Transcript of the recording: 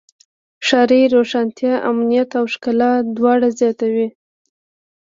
ښاري روښانتیا امنیت او ښکلا دواړه زیاتوي.